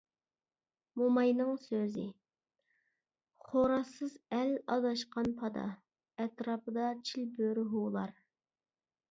موماينىڭ سۆزى: خورازسىز ئەل ئاداشقان پادا، ئەتراپىدا چىلبۆرە ھۇۋلار.